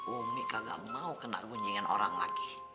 umi gak mau kena kunjingan orang lagi